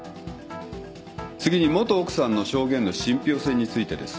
次に元奥さんの証言の信ぴょう性についてです。